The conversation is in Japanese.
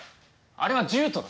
あれは獣人だ。